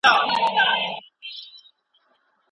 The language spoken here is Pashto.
تاسو مه مایوسه کېږئ او خپلو هڅو ته دوام ورکړئ.